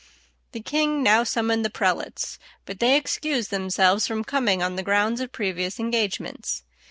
The king now summoned the prelates; but they excused themselves from coming on the grounds of previous engagements.